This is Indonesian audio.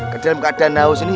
kedalam keadaan haus ini